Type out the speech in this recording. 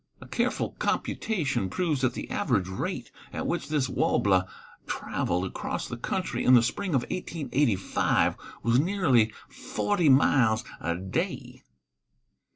A careful computation proves that the average rate at which this warbler traveled across the country, in the spring of 1885, was nearly forty miles a day.